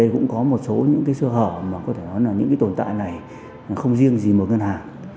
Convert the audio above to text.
cũng có một số những cái sơ hở mà có thể nói là những cái tồn tại này không riêng gì một ngân hàng